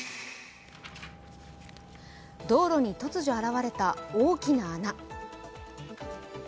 道路に突如現れた大きな穴。